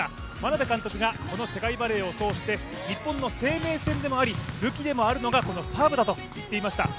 眞鍋監督がこの世界バレーを通して日本の生命線でもあり武器であるのがこのサーブだと言っていました。